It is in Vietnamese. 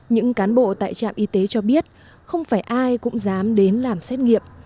những cán bộ tại trạm y tế cho biết không phải ai cũng dám đến làm xét nghiệm